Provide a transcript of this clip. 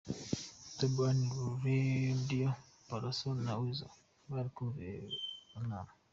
Bobi Wine, Radio Palasso na Weasel bari kumva ibiva mu nama.